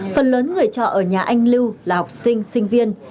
phần lớn người trọ ở nhà anh lưu là học sinh sinh viên